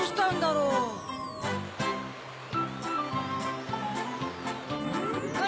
うん！